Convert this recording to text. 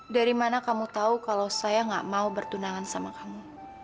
dari mana kamu tahu kalau saya gak mau bertunangan sama kamu